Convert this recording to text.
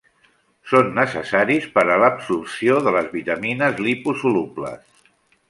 Són necessaris per a l'absorció de les vitamines liposolubles.